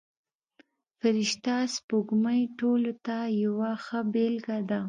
فرشته سپوږمۍ ټولو ته یوه ښه بېلګه ده.